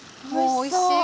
おいしそう。